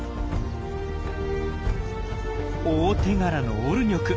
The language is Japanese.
大手柄のオルニョク。